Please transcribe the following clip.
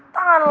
tangan lo jatuh